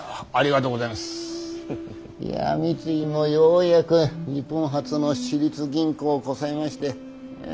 いや三井もようやく日本初の私立銀行をこさえまして。